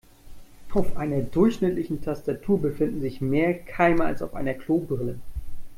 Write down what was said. Auf einer durchschnittlichen Tastatur befinden sich mehr Keime als auf einer Klobrille.